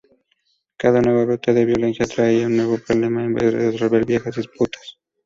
Cada nuevo brote de violencia traía un nuevo problema en vez resolver viejas disputas.